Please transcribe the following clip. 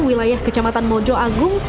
wilayah kecamatan mojo agung